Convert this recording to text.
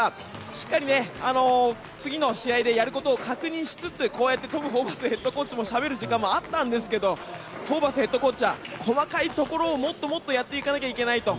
しっかり次の試合でやることを確認しつつトム・ホーバスヘッドコーチとしゃべる時間もあったんですがホーバスヘッドコーチは細かいところをもっともっとやらないといけないと。